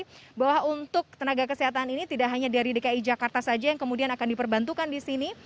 ya ini widya suti bahwa untuk tenaga kesehatan ini tidak hanya dari dki jakarta saja yang kemudian akan diperbantukan disini